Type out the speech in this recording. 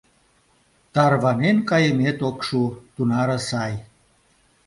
— Тарванен кайымет ок шу, тунаре сай!